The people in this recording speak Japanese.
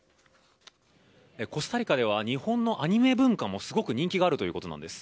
コスタリカでは、日本のアニメ文化もすごく人気があるということなんです。